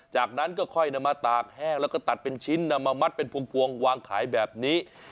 จากนั้นก็ค่อยนำมาตากแห้งแล้วก็ตัดเป็นชิ้นนำมามัดเป็นพวงวางขายแบบนี้